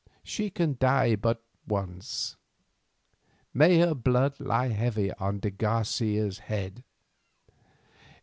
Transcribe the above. She can die but once. May her blood lie heavy on de Garcia's head!"